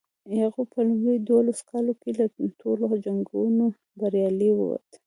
یعقوب په لومړیو دولسو کالو کې له ټولو جنګونو بریالی ووت.